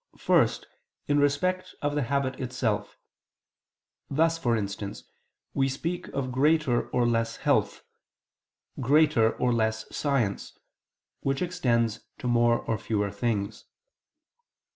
First, in respect of the habit itself: thus, for instance, we speak of greater or less health; greater or less science, which extends to more or fewer things.